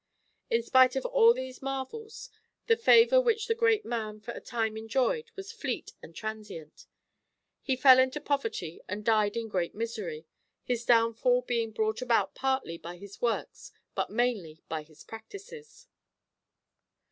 In spite of all these marvels, the favour which the great man for a time enjoyed was fleet and transient. He fell into poverty and died in great misery, his downfall being brought about partly by his works but mainly by his practices.